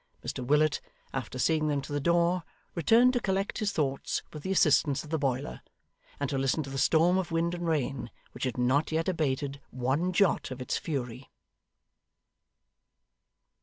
Mr Willet, after seeing them to the door, returned to collect his thoughts with the assistance of the boiler, and to listen to the storm of wind and rain, which had not yet abated one jot of its fury.